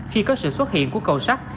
khi có sự xuất hiện của cầu sắt